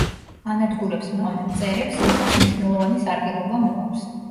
ანადგურებს მავნე მწერებს, რითაც მნიშვნელოვანი სარგებლობა მოაქვს.